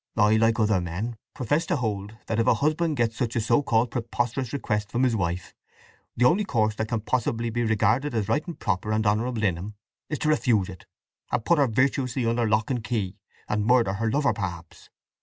I, like other men, profess to hold that if a husband gets such a so called preposterous request from his wife, the only course that can possibly be regarded as right and proper and honourable in him is to refuse it, and put her virtuously under lock and key, and murder her lover perhaps.